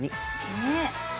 ねえ。